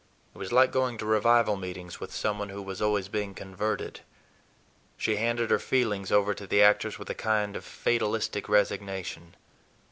It was like going to revival meetings with some one who was always being converted. She handed her feelings over to the actors with a kind of fatalistic resignation.